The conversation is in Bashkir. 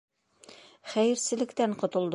Хәйерселектән ҡотолдо!